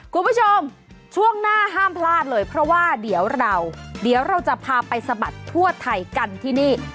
คุณผู้ชมช่วงหน้าห้ามพลาดเลยเพราะว่าเดี๋ยวเราเดี๋ยวเราจะพาไปสะบัดทั่วไทยกันที่นี่